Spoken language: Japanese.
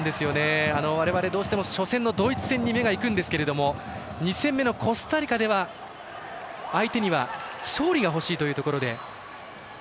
我々、どうしてもドイツ戦に目がいくんですが２戦目のコスタリカでは相手には勝利がほしいというところで。